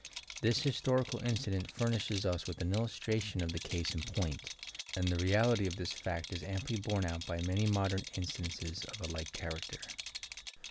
This historical incident furnishes us with an illustration of the case in point, and the reality of this fact is amply borne out by many modern instances of a like character.